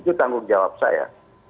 itu tanggung jawab saya